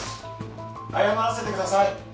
謝らせてください。